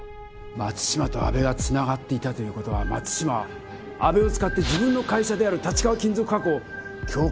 松島と阿部が繋がっていたという事は松島は阿部を使って自分の会社である立川金属加工を恐喝させたに違いありません。